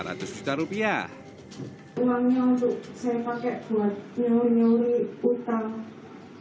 uangnya untuk saya pakai buat menyori nyori utang